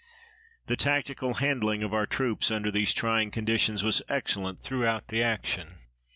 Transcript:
The tactical handling of our troops under these trying conditions was excellent throughout the action.